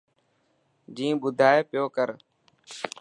جيبن ٻڌائي پيوڪرو.